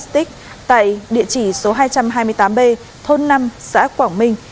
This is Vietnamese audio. tại địa chỉ số hai trăm hai mươi tám b thôn năm xã quảng minh